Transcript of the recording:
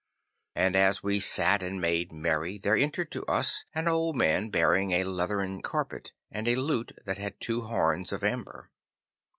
And as we sat and made merry, there entered to us an old man bearing a leathern carpet and a lute that had two horns of amber.